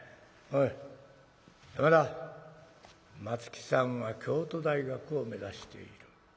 松木さんは京都大学を目指している。